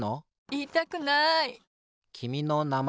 いいたくない。